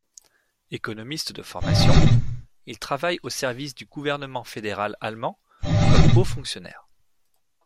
Économiste de formation, il travaille au service du gouvernement fédéral allemand comme haut fonctionnaire.